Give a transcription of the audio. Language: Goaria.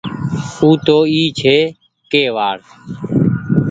او تو اي ڇي ڪي وآڙ۔